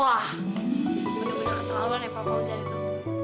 wah bener bener keterlaluan ya pak fauzan itu